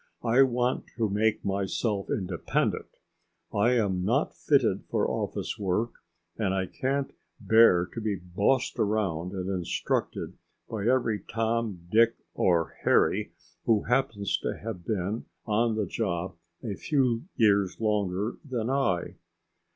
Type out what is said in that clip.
"I want to make myself independent. I am not fitted for office work, and I can't bear to be bossed around and instructed by every Tom, Dick, or Harry who happens to have been on the job a few years longer than I."